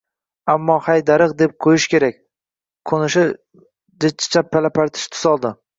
Ammo hay, darig‘, deb qo‘yish kerak, qo‘nishi jichcha pala-partish tus oldi